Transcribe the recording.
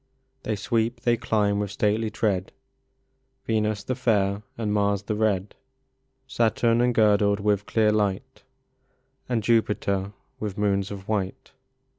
They sweep, they climb with stately tread, Venus the fair and Mars the red, Saturn engirdled with clear light, And Jupiter with moons of white.